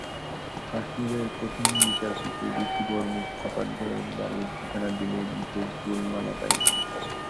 কাশ্মীরের প্রধান বিচারপতি ঋষিবর মুখোপাধ্যায়ের বাড়ীর ঠিকানায় দিলেই মিসেস বুল মালা পাইবেন।